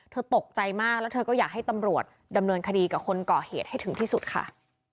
ตกใจมากแล้วเธอก็อยากให้ตำรวจดำเนินคดีกับคนก่อเหตุให้ถึงที่สุดค่ะ